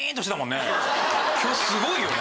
今日すごいよね。